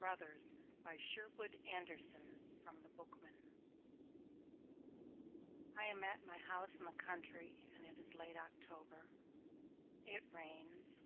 BROTHERS By SHERWOOD ANDERSON (From The Bookman) I am at my house in the country and it is late October. It rains.